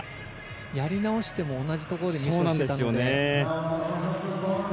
やり直しても同じところでミスしてたんですよね。